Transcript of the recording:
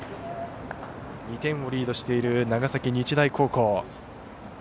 ２点をリードしている長崎日大高校。